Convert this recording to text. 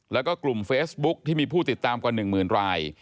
แล้วก็กลุ่มเฟซบุ๊คที่มีผู้ติดตามกว่า๑๐๐๐ราย